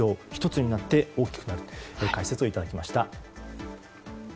１つになって大きくなるという解説をいただきました。